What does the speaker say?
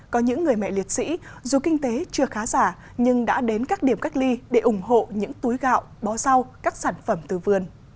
có những người mẹ liệt sĩ dù kinh tế chưa khá giả nhưng đã đến các điểm cách ly để ủng hộ những túi gạo bó rau các sản phẩm từ vườn